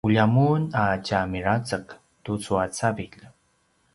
ulja mun a tja mirazek tucu a cavilj